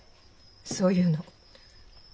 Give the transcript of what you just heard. そういうの。